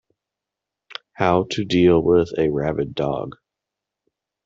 How to deal with a rabid dog.